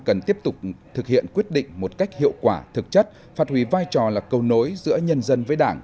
cần tiếp tục thực hiện quyết định một cách hiệu quả thực chất phát huy vai trò là cầu nối giữa nhân dân với đảng